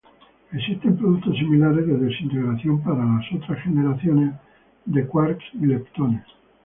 Existen productos similares de desintegración para las otras generaciones de quarks y leptones.